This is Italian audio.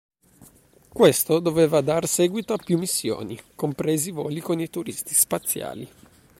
Questo doveva dar seguito a più missioni, compresi i voli con i turisti spaziali.